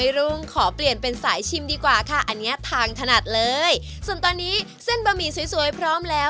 ก็วันนี้ก็มีลอปเตอร์ลอปเตอร์ครับเรามาทำอะไรอ่ะเส้นหมี่เส้นหมี่ของผม